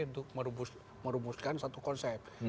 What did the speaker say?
untuk merumuskan satu konsep